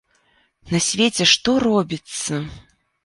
На свеце што робіцца!